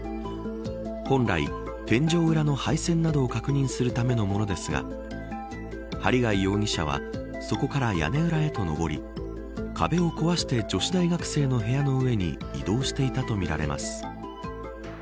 本来、天井裏の配線などを確認するためのものですが針谷容疑者はそこから屋根裏へと上り壁を壊して女子大学生の部屋の上に移動していたとみられます。